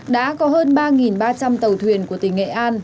đã có hơn ba ba trăm linh tàu thuyền của tỉnh nghệ an